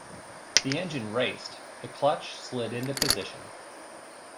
The engine raced; the clutch slid into position.